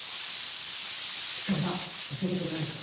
光さん教えてくれないかな？